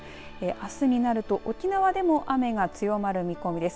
あすになると沖縄でも雨が強まる見込みです。